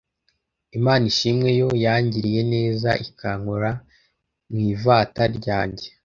Imana ishimwe yo yangiriye neza ikankura mu ivata ryanjye